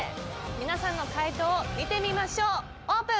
皆さんの解答を見てみましょうオープン！